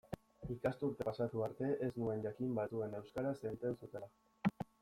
Ikasturtea pasatu arte ez nuen jakin batzuek euskaraz egiten zutela.